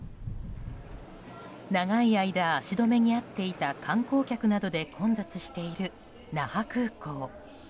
長い間、足止めに遭っていた観光客などで混雑している那覇空港。